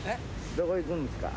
どこ行くんですか？